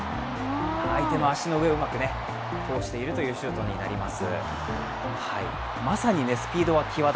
相手の足の上をうまく通しているシュートになります。